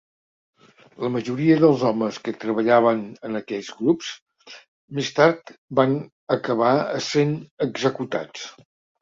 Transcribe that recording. La majoria dels homes que treballaven en aquests grups més tard van acabar essent executats.